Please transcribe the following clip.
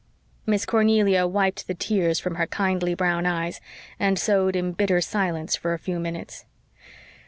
Miss Cornelia wiped the tears from her kindly brown eyes and sewed in bitter silence for a few minutes.